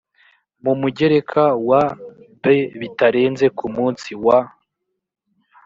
mu mugereka wa b bitarenze ku munsi wa